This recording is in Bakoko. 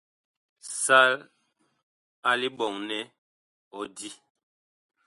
Sal a liɓɔŋ nɛ ɔ di.